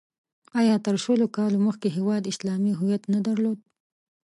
آیا تر شلو کالو مخکې هېواد اسلامي هویت نه درلود؟